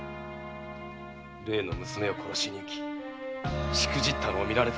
例の娘を殺しに行きしくじったのを見られたらしい。